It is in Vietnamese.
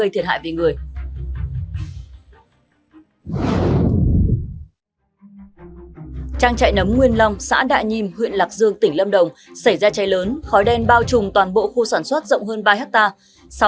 trang chạy nấm nguyên long xã đại nhiêm huyện lạc dương tỉnh lâm đồng xảy ra cháy lớn khói đen bao trùm toàn bộ khu sản xuất rộng hơn ba hectare